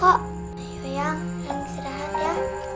ayo yang yang sederhana ya